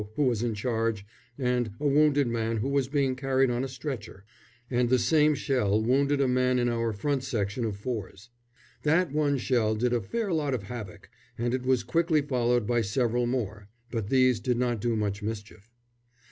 who was in charge, and a wounded man who was being carried on a stretcher; and the same shell wounded a man in our front section of fours. That one shell did a fair lot of havoc, and it was quickly followed by several more; but these did not do much mischief.